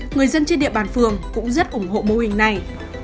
người dân trên địa bàn phường cũng rất ủng hộ mô hình này